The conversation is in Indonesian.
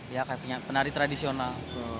ya kayak penari tradisional